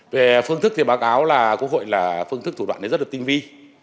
về phương thức thì báo cáo là quốc hội là phương thức thủ đoạn này rất là tinh vi